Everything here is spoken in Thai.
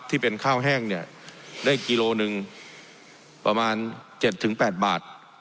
ที่เป็นข้าวแห้งเนี่ยได้กิโลหนึ่งประมาณ๗๘บาท